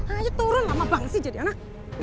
ayo turun lama banget sih jadi anak